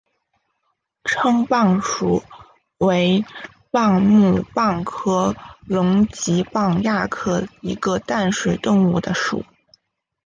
蛏蚌属为蚌目蚌科隆嵴蚌亚科一个淡水动物的属。